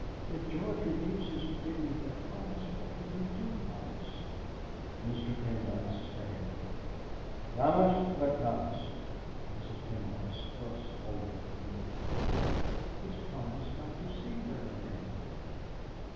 "If George refuses to give you that promise, what will you do, Horace?" Mr. Pendyce stared. "Promise? What promise?" Mrs. Pendyce thrust forward the note. "This promise not to see her again."